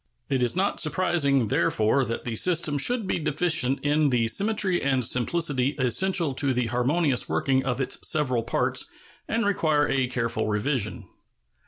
It is not surprising, therefore, that the system should be deficient in the symmetry and simplicity essential to the harmonious working of its several parts, and require a careful revision.